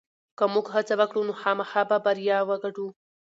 که موږ هڅه وکړو نو خامخا به بریا وګټو.